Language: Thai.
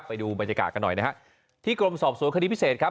ไปดูบรรยากาศกันหน่อยนะฮะที่กรมสอบสวนคดีพิเศษครับ